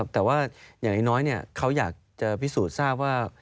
แต่ว่าอย่างน้อยเขาอยากจะพิสูจน์ทราบว่า